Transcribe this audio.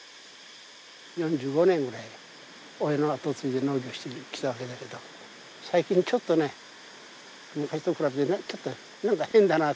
４５年ぐらい親の後継ぎで農業してきたわけだけど最近ちょっとね昔と比べてねちょっと何か変だなと。